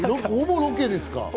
ほぼロケですか？